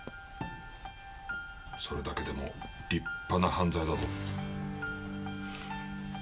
それだけでも立派な犯罪だぞ。